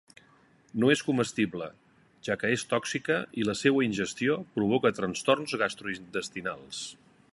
No és comestible, ja que és tòxica i la seua ingestió provoca trastorns gastrointestinals.